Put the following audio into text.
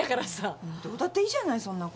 どうだっていいじゃないそんなこと。